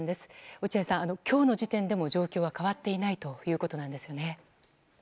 落合さん、今日の時点でも状況は変わっていないということなんですよね。